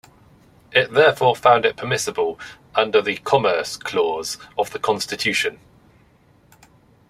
It therefore found it permissible under the Commerce Clause of the Constitution.